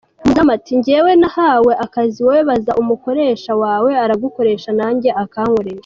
Umuzamu ati “Njyewe nahawe akazi, wowe baza umukoresha wawe, aragukoresha nanjye akankoresha.